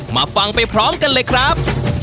มาฟังไปพร้อมกันเลยครับ